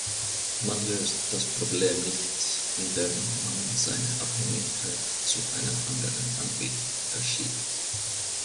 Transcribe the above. Man löst das Problem nicht, indem man seine Abhängigkeit zu einem anderen Anbieter verschiebt.